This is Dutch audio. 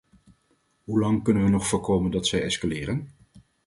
Hoelang kunnen we nog voorkomen dat zij escaleren?